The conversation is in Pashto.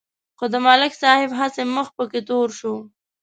خو د ملک صاحب هسې مخ پکې تور شو.